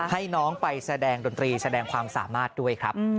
ให้น้องไปแสดงดนตรีแสดงความสามารถด้วยครับ